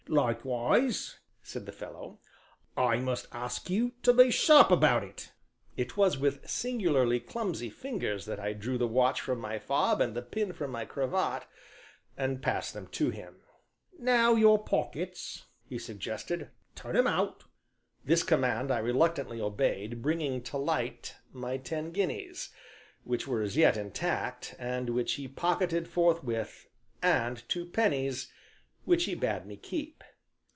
"Likewise," said the fellow, "I must ask you to be sharp about it." It was with singularly clumsy fingers that I drew the watch from my fob and the pin from my cravat, and passed them to him. "Now your pockets," he suggested, "turn 'em out." This command I reluctantly obeyed, bringing to light my ten guineas, which were as yet intact, and which he pocketed forthwith, and two pennies which he bade me keep.